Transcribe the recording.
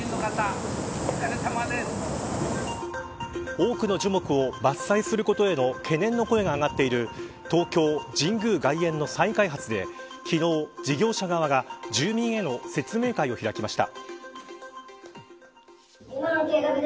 多くの樹木を伐採することへの懸念の声が上がっている東京、神宮外苑の再開発で昨日、事業者側が住民への説明会を開きました。